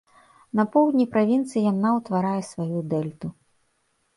На поўдні правінцыі яна ўтварае сваю дэльту.